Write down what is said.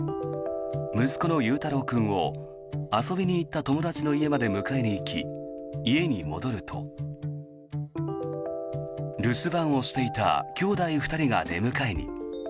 息子の悠太郎君と遊びに行った友達の家まで迎えいに行き家に戻ると留守番をしていた姉弟２人が出迎えに。